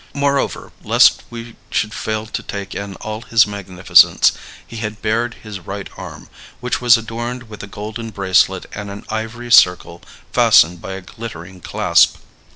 Moreover, lest we should fail to take in all his magnificence, he had bared his right arm, which was adorned with a golden bracelet and an ivory circle fastened by a glittering clasp.